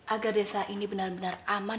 agar desa ini benar benar aman